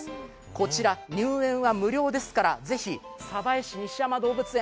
こちら入園は無料ですからぜひ鯖江市西山動物園。